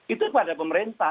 itu kepada pemerintah